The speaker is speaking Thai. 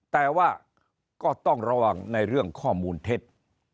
แต่ว่าก็ต้องระวังในเรื่องข้อมูลเท็จ